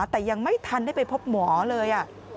แต่ยังไม่ทันได้ไปพบหมอเลย